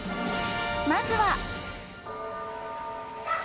［まずは］